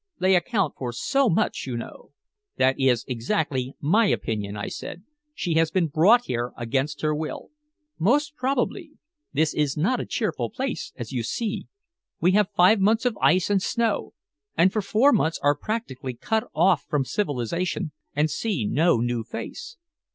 They account for so much, you know." "That is exactly my opinion," I said. "She has been brought here against her will." "Most probably. This is not a cheerful place, as you see. We have five months of ice and snow, and for four months are practically cut off from civilization and see no new face."